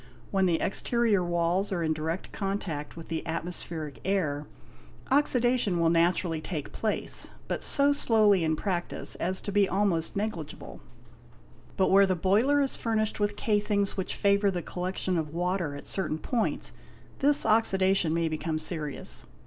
When the exterior walls are in direct contact with the atmospheric air, oxidation will naturally take place, but so slowly in practice as to be almost negligeable. But where the boiler is furnished with casings which favour the collection of water at certain points, this oxidation may become serious.